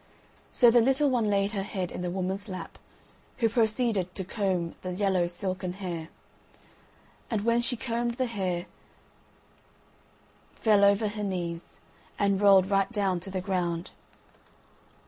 So the little one laid her head in the woman's lap, who proceeded to comb the yellow silken hair. And when she combed the hair fell over her knees, and rolled right down to the ground.